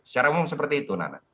secara umum seperti itu nana